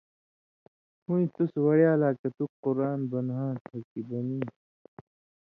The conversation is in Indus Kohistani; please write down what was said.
ہُویں، تُس وڑیا لا کتُک قرآن بنہاں تھہ کھیں بنی۔